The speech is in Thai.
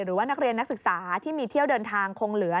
หรือว่านักเรียนนักศึกษาที่มีเที่ยวเดินทางคงเหลือ